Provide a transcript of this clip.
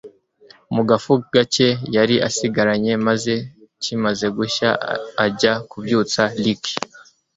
mu gafu gake yari asigaranye maze kimaze gushya ajya kubyutsa Ricky